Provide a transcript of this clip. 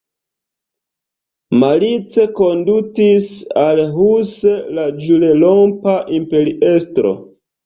Malice kondutis al Hus la ĵurrompa imperiestro.